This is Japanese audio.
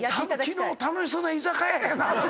きのう楽しそうな居酒屋やな